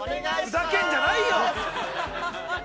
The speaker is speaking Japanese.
◆ふざけんじゃないよ！